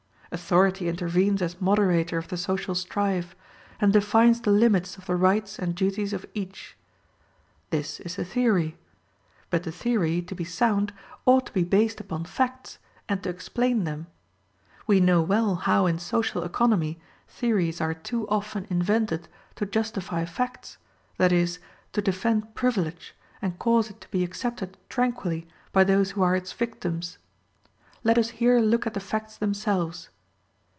Authority intervenes as moderator of the social strife, and defines the limits of the rights and duties of each. This is the theory; but the theory, to be sound, ought to be based upon facts, and to explain them. We know well how in social economy theories are too often invented to justify facts, that is, to defend privilege and cause it to be accepted tranquilly by those who are its victims. Let us here look at the facts themselves.